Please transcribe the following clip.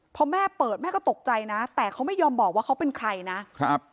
พอแม่เปิดแม่ก็ตกใจนะแต่เขาไม่ยอมบอกว่าเขาเป็นใครนะครับ